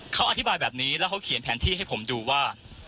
เขาอธิบายแบบนี้แล้วเขาเขียนแผนที่ให้ผมดูว่า